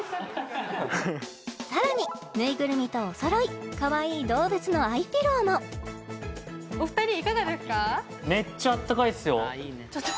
さらにぬいぐるみとおそろいかわいい動物のアイピローもお二人いかがですか？